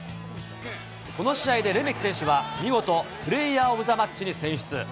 この試合でレメキ選手は、見事、プレイヤー・オブ・ザ・マッチに選出。